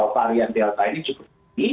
varian delta ini cukup tinggi